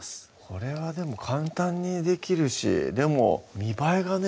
これはでも簡単にできるしでも見栄えがね